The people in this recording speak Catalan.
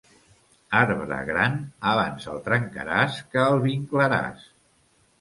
Arbre gran, abans el trencaràs que el vinclaràs.